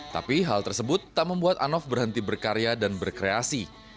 tapi hal tersebut tak membuat anof berhenti berkarya dan berkreasi